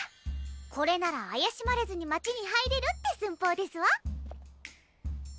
これなら怪しまれずに街に入れるって寸法ですわ。